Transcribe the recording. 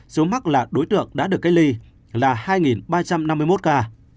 số mắc là đối tượng đã được cách ly là hai ba trăm năm mươi một ca